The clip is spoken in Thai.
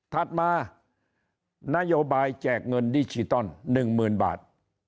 ถัดมานโยบายแจกเงินดิจิตอล๑๐๐๐บาท